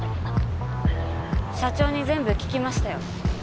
社長に全部聞きましたよ。